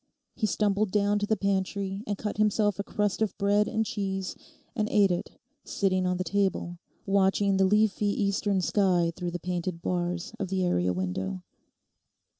He stumbled down to the pantry and cut himself a crust of bread and cheese, and ate it, sitting on the table, watching the leafy eastern sky through the painted bars of the area window.